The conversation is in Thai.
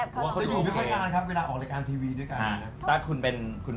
จะอยู่ไม่ค่อยนานครับเวลาออกรายการทีวีด้วยกัน